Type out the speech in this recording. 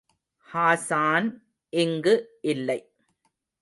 ஹாசான் இங்கு இல்லை.